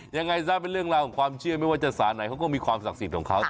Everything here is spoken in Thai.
ยังไงซะเป็นเรื่องราวของความเชื่อไม่ว่าจะสารไหนเขาก็มีความศักดิ์สิทธิ์ของเขา